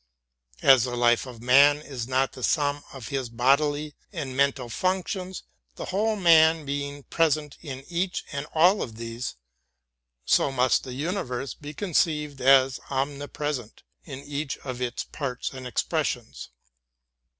As the life of man is not the sum of his bodily and mental functions, the whole man being pres ent in each and all of these, so must the universe be con ceived as omnipresent in each of its parts and expressions.